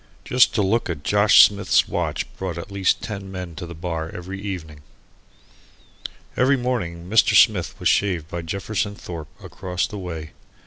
Just to look at Josh Smith's watch brought at least ten men to the bar every evening. Every morning Mr. Smith was shaved by Jefferson Thorpe, across the way.